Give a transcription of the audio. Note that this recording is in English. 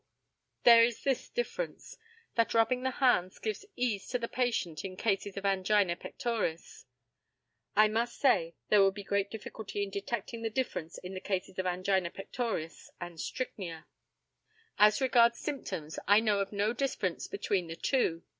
There is this difference, that rubbing the hands gives ease to the patient in cases of angina pectoris. I must say, there would be great difficulty in detecting the difference in the cases of angina pectoris and strychnia. As regards symptoms, I know of no difference between the two.